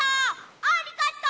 ありがとう！